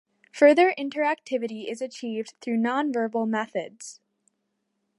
Further interactivity is achieved through non-verbal methods.